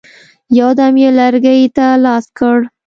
یو دم یې لرګي ته لاس کړ.